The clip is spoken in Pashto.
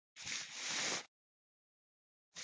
د غوسې پایله تل پښیماني وي.